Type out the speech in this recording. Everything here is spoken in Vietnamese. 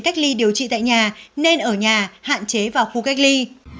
cách ly điều trị tại nhà nên ở nhà hạn chế vào khu cách ly